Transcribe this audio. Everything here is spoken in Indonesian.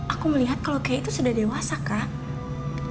aku melihat kalau kay itu sudah dewasa kak